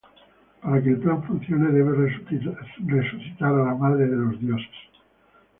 Para que el plan funcione debe resucitar a la Madre de los Dioses.